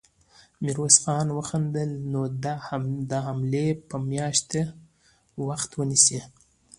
ميرويس خان وخندل: نو دا حملې به مياشتې وخت ونيسي.